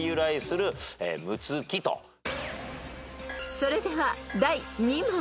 ［それでは第２問］